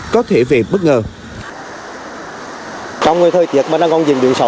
có thể về bất ngờ